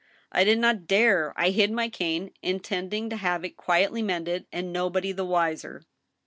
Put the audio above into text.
I did not dare. I hid my cane, in tending to have it quietly mended, and nobody the wiser."